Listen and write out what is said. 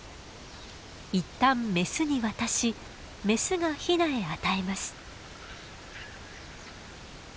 一旦メスに渡しメスがヒナへ与えます。